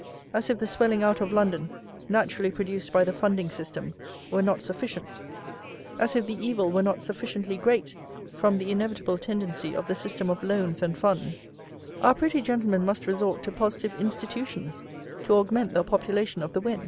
As if the swelling out of London, naturally produced by the Funding System, were not sufficient; as if the evil were not sufficiently great from the inevitable tendency of the system of loans and funds, our pretty gentlemen must resort to positive institutions to augment the population of the Wen.